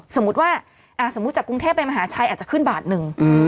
สมมุติว่าสมมุติจากกรุงเทพไปมหาชัยอาจจะขึ้นบาทหนึ่ง